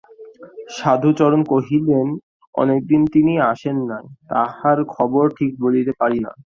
সাধুচরণ কহিলেন, অনেকদিন তিনি আসেন নাই–তাঁহার খবর ঠিক বলিতে পারি না।